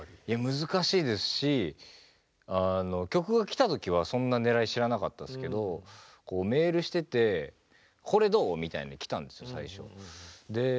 難しいですし曲が来た時はそんなねらい知らなかったですけどメールしててこれどう？みたいに来たんですよ最初。